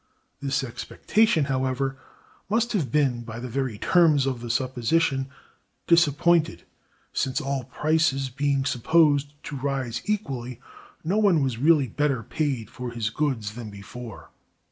This expectation, however, must have been, by the very terms of the supposition, disappointed, since, all prices being supposed to rise equally, no one was really better paid for his goods than before.